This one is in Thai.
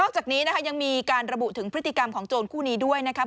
จากนี้นะคะยังมีการระบุถึงพฤติกรรมของโจรคู่นี้ด้วยนะครับ